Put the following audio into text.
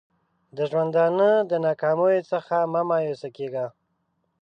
د ژوندانه د ناکامیو څخه مه مایوسه کېږه!